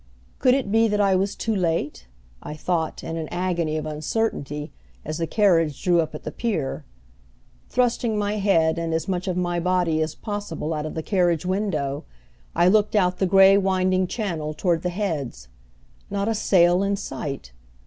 Could it be that I was too late? I thought, in an agony of uncertainty, as the carriage drew up at the pier. Thrusting my head and as much of my body as possible out of the carriage window I looked out the gray, winding channel toward the Heads. Not a sail in sight!